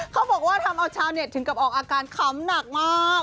เขาบอกว่าทำเอาชาวเน็ตถึงกับออกอาการขำหนักมาก